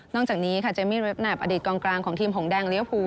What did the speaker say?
นอกจากนี้ค่ะเจมมี่เรฟนัปอดีตกลางของทีมหงดแดงเลี้ยวภู